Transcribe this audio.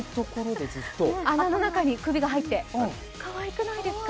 穴の中に首が入って、かわいくないですか？